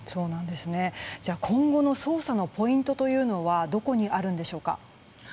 今後の捜査のポイントというのはどこにあるんでしょうか？